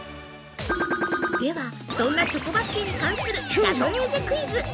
では、そんなチョコバッキーに関するシャトレーゼクイズ。